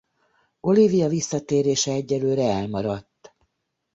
Olivia visszatérése egyelőre elmaradt.